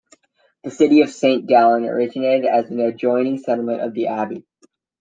The city of Saint Gallen originated as an adjoining settlement of the abbey.